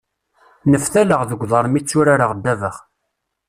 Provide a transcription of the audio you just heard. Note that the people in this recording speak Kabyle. Neftaleɣ deg uḍar mi tturareɣ ddabex.